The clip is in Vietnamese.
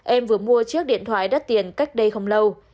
em vừa mua chiếc điện thoại đắt tiền cách đây không lâu